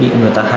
cái gì hành hạ